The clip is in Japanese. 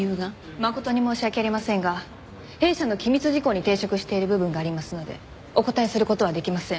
誠に申し訳ありませんが弊社の機密事項に抵触している部分がありますのでお答えする事はできません。